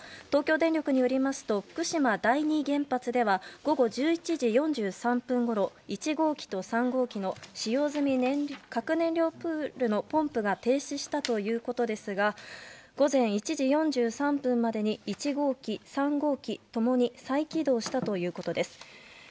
東京電力によりますと福島第二原発では午後１１時４３分ごろ１号機と３号機の使用済み核燃料プールのポンプが停止したということですが午前１時４３分までに１号機、３号機共に再起動したということです。